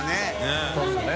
いそうですよね。